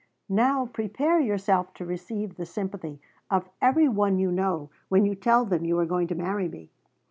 "Now prepare yourself to receive the sympathy of every one you know when you tell them you are going to marry me.